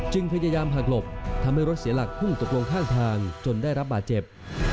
พยายามหักหลบทำให้รถเสียหลักพุ่งตกลงข้างทางจนได้รับบาดเจ็บ